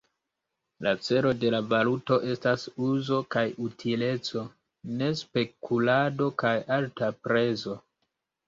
La celo de la valuto estas uzo kaj utileco, ne spekulado kaj alta prezo.